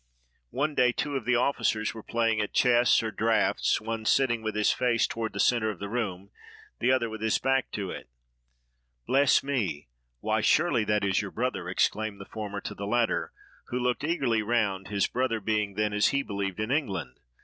One day, two of the officers were playing at chess, or draughts, one sitting with his face toward the centre of the room, the other with his back to it. "Bless me! why, surely that is your brother!" exclaimed the former to the latter, who looked eagerly round, his brother being then, as he believed, in England.